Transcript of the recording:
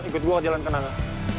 ikut gua ke jalan kenangan